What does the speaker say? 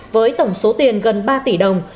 với tổng số tiền gần ba tỷ đồng